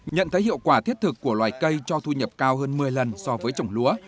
nhận thấy hiệu quả thiết thực của loài cây cho thu nhập cao hơn một mươi lần so với trồng lúa